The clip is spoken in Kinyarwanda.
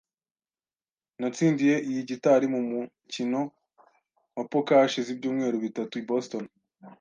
Natsindiye iyi gitari mu mukino wa poker hashize ibyumweru bitatu i Boston